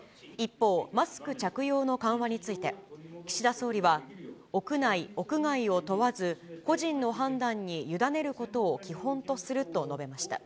一方、マスク着用の緩和について、岸田総理は、屋内、屋外を問わず、個人の判断に委ねることを基本とすると述べました。